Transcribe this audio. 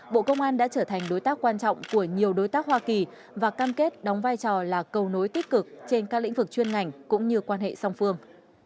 bộ công an đã trở thành đối tác quan trọng của nhiều đối tác hoa kỳ và cam kết đóng vai trò là cầu nối tích cực trên các lĩnh vực chuyên ngành cũng như quan hệ song phương